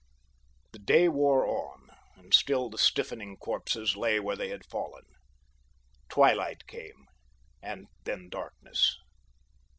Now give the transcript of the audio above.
The day wore on and still the stiffening corpses lay where they had fallen. Twilight came and then darkness.